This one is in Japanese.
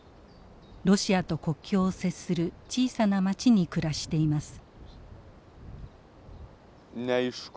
ロシアと国境を接する小さな町に暮らしています。